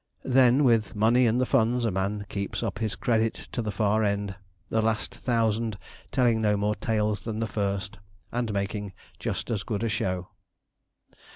Then, with money in the funds, a man keeps up his credit to the far end the last thousand telling no more tales than the first, and making just as good a show.